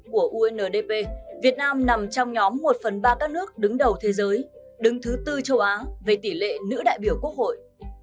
của undp việt nam nằm trong nhóm một phần ba các nước đứng đầu thế giới đứng thứ tư châu á về tỷ lệ nữ đại biểu quốc hội